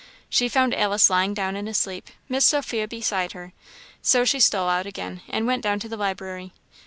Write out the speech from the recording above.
She found Alice lying down and asleep, Miss Sophia beside her; so she stole out again, and went down to the library.